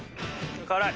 辛い。